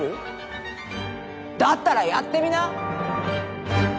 だったらやってみな。